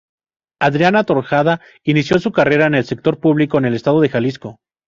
Adriana Tortajada inició su carrera en el sector público en el estado de Jalisco.